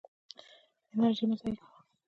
انرژي مه ضایع کوه.